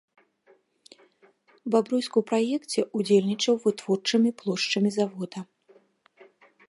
Бабруйск у праекце ўдзельнічаў вытворчымі плошчамі завода.